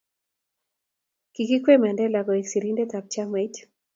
keekwei Mandela koek sirindetab chamaitab